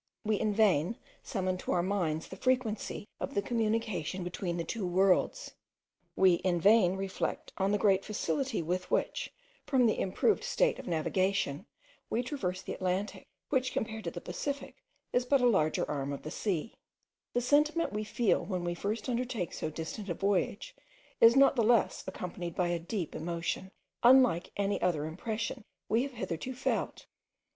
We in vain summon to our minds the frequency of the communication between the two worlds; we in vain reflect on the great facility with which, from the improved state of navigation, we traverse the Atlantic, which compared to the Pacific is but a larger arm of the sea; the sentiment we feel when we first undertake so distant a voyage is not the less accompanied by a deep emotion, unlike any other impression we have hitherto felt.